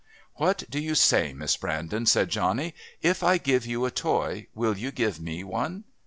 "What do you say, Miss Brandon?" said Johnny. "If I give you a toy will you give me one?"